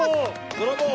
ブラボー！